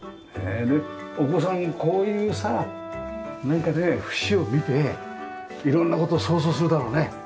でお子さんこういうさなんかね節を見て色んな事想像するだろうね。